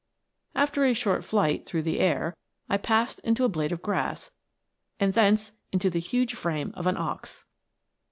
After a short flight through the air, I passed into a blade of grass, and thence into the huge frame of an ox.